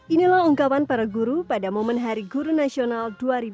inilah ungkapan para guru pada momen hari guru nasional dua ribu dua puluh